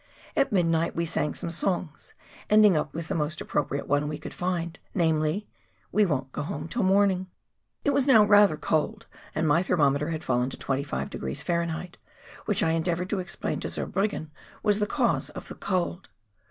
At midnight we sang some songs, ending up with the most appropriate one we could find, namely, " We won't go home till morning !" It was now rather cold and my thermometer had fallen to 25° Fahr., which I endeavoured to explain to Zurbriggen was the cause of the cold.